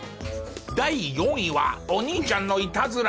第４位はお兄ちゃんのいたずら。